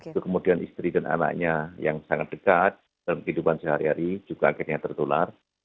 itu kemudian istri dan anaknya yang sangat dekat dalam kehidupan sehari hari juga akhirnya tertular